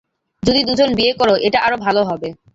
যদি দুজন বিয়ে করো এটা আরো ভালো হবে।